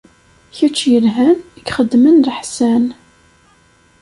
Kečč yelhan, i ixeddmen leḥsan.